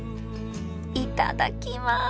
いただきます！